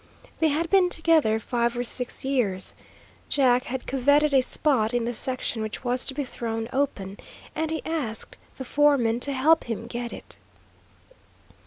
They had been together five or six years. Jack had coveted a spot in the section which was to be thrown open, and he asked the foreman to help him get it.